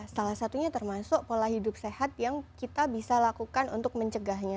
salah satunya termasuk pola hidup sehat yang kita bisa lakukan untuk mencegahnya